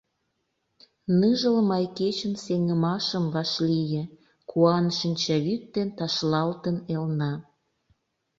Ныжыл май кечын Сеҥымашым вашлие, Куан шинчавӱд ден ташлалтын, элна.